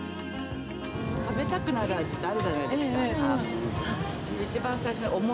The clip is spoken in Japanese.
食べたくなる味ってあるじゃないですか。